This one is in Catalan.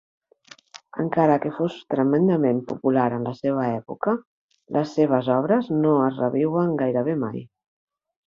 Encara que fos tremendament popular en la seva època, les seves obres no es reviuen gairebé mai.